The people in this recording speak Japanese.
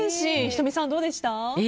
仁美さん、どうでした？